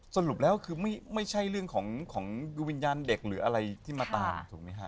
สรุปแล้วคือไม่ใช่เรื่องของวิญญาณเด็กหรืออะไรที่มาตามถูกไหมฮะ